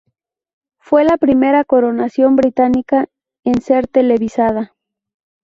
Fue la primera coronación británica en ser televisada.